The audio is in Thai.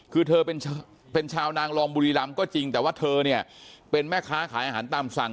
คือเธอเป็นชาวนางรองบุรีรำก็จริงแต่ว่าเธอเนี่ยเป็นแม่ค้าขายอาหารตามสั่ง